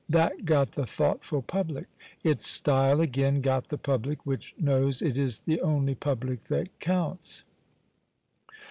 That got the thoughtful public. Its style, again, got the public which knows it is the only public that counts.